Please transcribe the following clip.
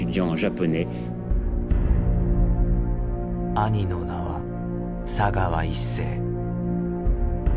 兄の名は佐川一政。